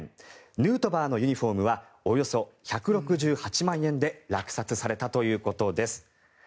ヌートバーのユニホームはおよそ１６８万円で落札されたということです。